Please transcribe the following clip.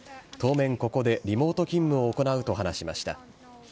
当面ここで、リモート勤務を行うと話しました。